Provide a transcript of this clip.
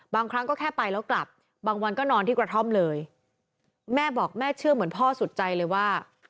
บางครั้งก็แค่ไปแล้วกลับบางวันก็นอนที่กระท่อมเลยแม่บอกแม่เชื่อเหมือนพ่อสุดใจเลยว่า